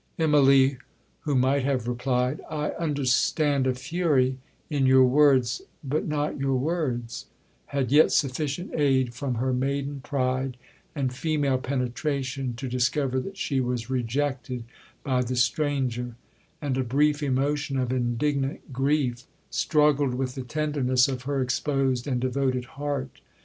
Immalee, who might have replied, 'I understand a fury in your words, but not your words,' had yet sufficient aid from her maiden pride, and female penetration, to discover that she was rejected by the stranger; and a brief emotion of indignant grief struggled with the tenderness of her exposed and devoted heart.